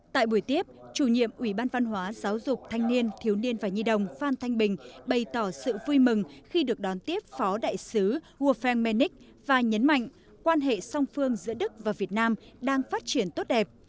tại buổi tiếp chủ nhiệm ủy ban văn hóa giáo dục thanh niên thiếu niên và nhi đồng phan thanh bình bày tỏ sự vui mừng khi được đón tiếp phó đại sứ huafel menich và nhấn mạnh quan hệ song phương giữa đức và việt nam đang phát triển tốt đẹp